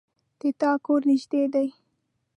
د تا کور نږدې ده